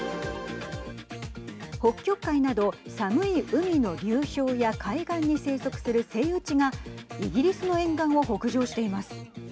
北極海など、寒い海の流氷や海岸に生息するセイウチがイギリスの沿岸を北上しています。